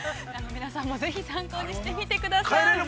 皆さんも、ぜひ参考にしてみてください。